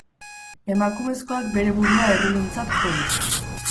Emakumezkoak bere burua erruduntzat jo du.